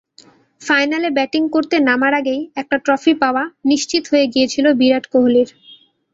ফাইনালে ব্যাটিং করতে নামার আগেই একটা ট্রফি পাওয়া নিশ্চিত হয়ে গিয়েছিল বিরাট কোহলির।